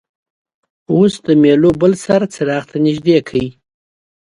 اوس د میلو بل سر څراغ ته نژدې کړئ.